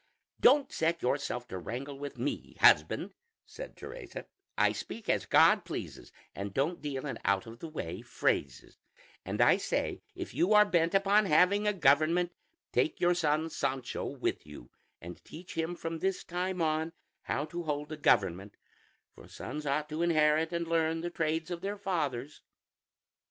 "Don't set yourself to wrangle with me, husband," said Teresa; "I speak as God pleases, and don't deal in out of the way phrases; and I say if you are bent upon having a government, take your son Sancho with you, and teach him from this time on how to hold a government; for sons ought to inherit and learn the trades of their fathers."